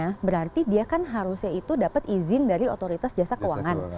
nah berarti dia kan harusnya itu dapat izin dari otoritas jasa keuangan